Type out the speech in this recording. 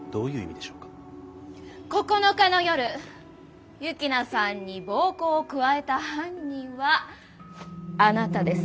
９日の夜幸那さんに暴行を加えた犯人はあなたですね？